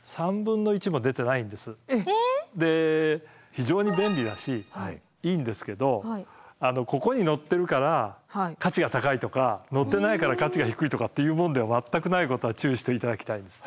非常に便利だしいいんですけどここに載っているから価値が高いとか載っていないから価値が低いとかっていうものでは全くないことは注意して頂きたいです。